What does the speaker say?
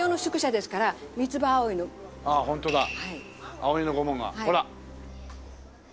葵のご紋がほら。